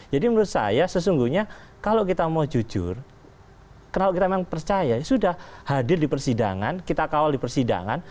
jadi menurut saya sesungguhnya kalau kita mau jujur kalau kita memang percaya sudah hadir di persidangan kita kawal di persidangan